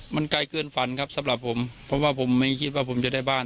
มันไกลเกินฝันครับสำหรับผมเพราะว่าผมไม่คิดว่าผมจะได้บ้าน